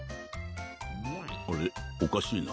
あれおかしいな？